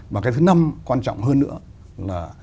và cái thứ năm quan trọng hơn nữa là